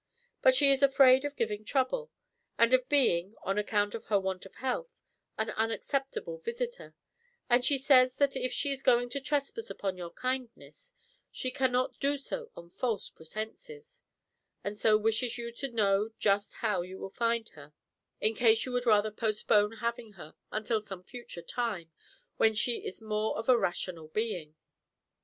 "But she is afraid of giving trouble, and of being, on account of her want of health, an unacceptable visitor; and she says that if she is going to trespass upon your kindness, she cannot do so on false pretenses, and so wishes you to know just how you will find her, in case you would rather postpone having her until some future time, when she is more of a rational being."